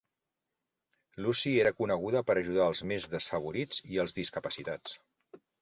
Lucy era coneguda per ajudar els més desfavorits i els discapacitats.